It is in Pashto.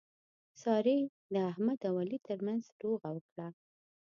سارې د احمد او علي ترمنځ روغه وکړه.